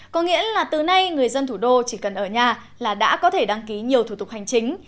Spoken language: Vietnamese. có nghĩa là từ nay người dân thủ đô chỉ cần ở nhà là đã có thể đăng ký nhiều thủ tục hành chính